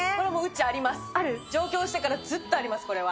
上京してからずっとあります、これは。